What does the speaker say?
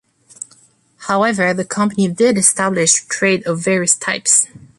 However, the company did establish trade of various types.